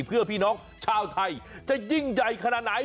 เพื่อพี่น้องชาวไทยจะยิ่งใหญ่ขนาดไหน